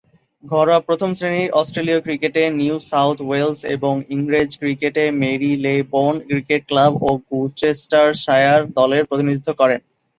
ঘরোয়া প্রথম-শ্রেণীর অস্ট্রেলীয় ক্রিকেটে নিউ সাউথ ওয়েলস এবং ইংরেজ ক্রিকেটে মেরিলেবোন ক্রিকেট ক্লাব ও গ্লুচেস্টারশায়ার দলের প্রতিনিধিত্ব করেন।